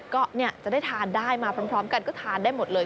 ก็จะได้ทานได้มาพร้อมกันก็ทานได้หมดเลย